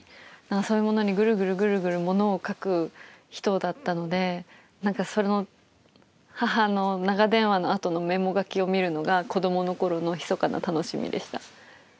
そういう物にぐるぐるぐるぐる物を描く人だったので何かその母の長電話の後のメモ書きを見るのが子供の頃のひそかな楽しみでした。